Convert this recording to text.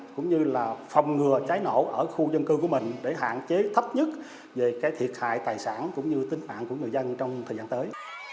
cũng như là phòng ngừa cháy nổ ở khu dân cư của mình để hạn chế thấp nhất về thiệt hại tài sản cũng như tính mạng của người dân trong thời gian tới